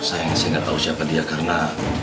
saya ingat saya gak tau siapa dia karena